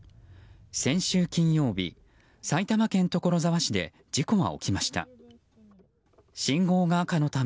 先週金曜日埼玉県所沢市で事故が起きました。